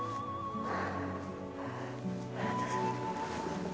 ありがとうございます。